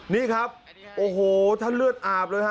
นี่ครับโอ้โหท่านเลือดอาบเลยฮ